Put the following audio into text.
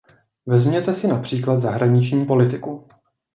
Vezměte si například zahraniční politiku.